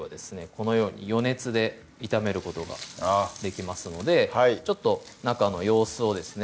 このように余熱で炒めることができますのでちょっと中の様子をですね